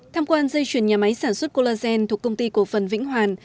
tham quan dây chuyển nhà máy sản xuất collagen thuộc công ty cổ phần vĩnh hoàn